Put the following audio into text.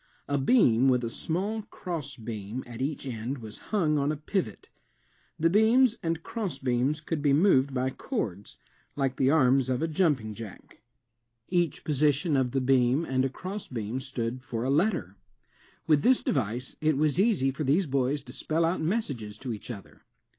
A beam with a small crossbeam at each end was himg on a pivot. The beams and crossbeams could be moved by cords, like the arms of a jumping jack. Each position of 208 SAMUEL F. B. MORSE 209 the beam and a crossbeam stood for a letter. With this device, it was easy for these boys to spell out messages to each other.